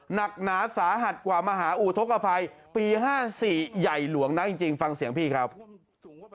หนักหนาสาหัสกว่ามหาอุทธกภัยปี๕๔ใหญ่หลวงนะจริงฟังเสียงพี่ครับ